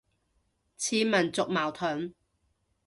似民族矛盾